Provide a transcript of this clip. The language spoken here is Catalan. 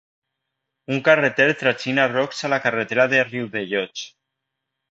Un carreter tragina rocs a la carretera de Riudellots